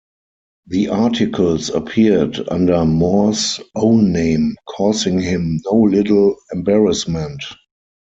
The articles appeared under Moore's own name, causing him no little embarrassment.